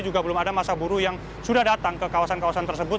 juga belum ada masa buruh yang sudah datang ke kawasan kawasan tersebut